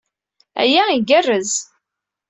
Aya igerrez!